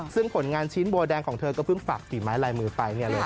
ซึ่งผลงานชิ้นบัวแดงของเธอก็เพิ่งฝากฝีไม้ลายมือไป